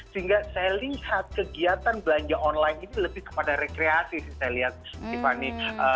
sehingga saya lihat kegiatan belanja online ini lebih kepada rekreasi sih saya lihat tiffany